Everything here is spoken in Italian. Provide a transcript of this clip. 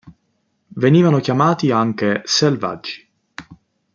Venivano chiamati anche "Selvaggi".